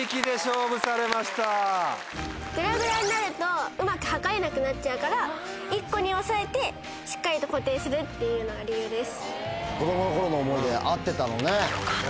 グラグラになるとうまく量れなくなっちゃうから１個に押さえてしっかりと固定するっていうのが理由です。